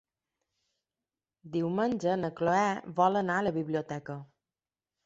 Diumenge na Cloè vol anar a la biblioteca.